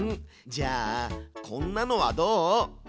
じゃあこんなのはどう？